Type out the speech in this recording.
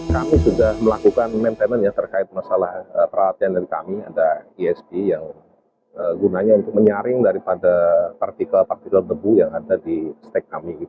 kami sudah melakukan maintenance terkait masalah perhatian dari kami ada isg yang gunanya untuk menyaring daripada partikel partikel debu yang ada di stek kami